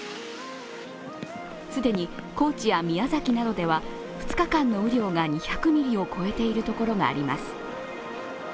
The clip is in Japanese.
既に高知や宮崎などでは２日間の雨量が２００ミリを超えている所があります。